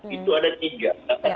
itu ada tiga